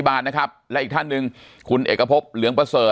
ปากกับภาคภูมิ